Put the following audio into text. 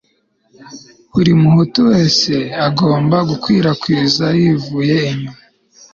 buri muhutu wese agomba gukwirakwiza yivuye inyuma